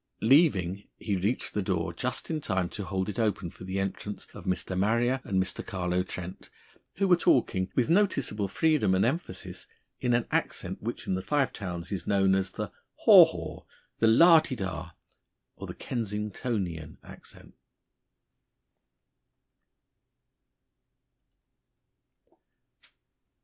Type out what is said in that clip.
Leaving, he reached the door just in time to hold it open for the entrance of Mr. Marrier and Mr. Carlo Trent, who were talking, with noticeable freedom and emphasis, in an accent which in the Five Towns is known as the "haw haw," the "lah di dah," or the "Kensingtonian" accent.